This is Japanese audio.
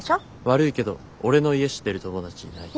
悪いけど俺の家知ってる友達いない。